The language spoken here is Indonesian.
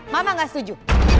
mama gak setuju